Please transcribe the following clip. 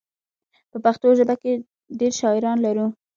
په پښتو ژبه کې ډېر شاعران لرو.